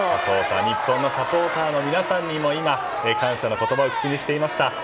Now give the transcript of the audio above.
日本のサポーターの皆さんにも感謝の言葉を口にしていました。